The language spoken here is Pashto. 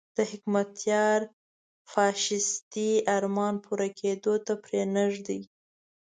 د حکمتیار فاشیستي ارمان پوره کېدو ته پرې نه ږدي.